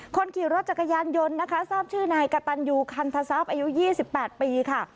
คนขี่รถจักรยานยนต์ทราบชื่อนายกะตันยูคันทะซับอายุ๒๘ปี